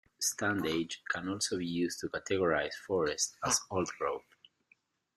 Stand age can also be used to categorize forest as old-growth.